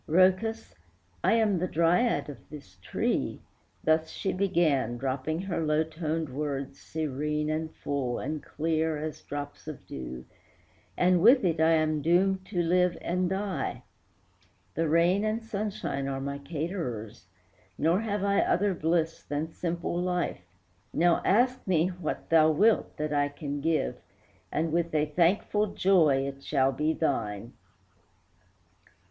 "Rhœcus, I am the Dryad of this tree," Thus she began, dropping her low toned words Serene, and full, and clear, as drops of dew, "And with it I am doomed to live and die; The rain and sunshine are my caterers, Nor have I other bliss than simple life; Now ask me what thou wilt, that I can give, And with a thankful joy it shall be thine."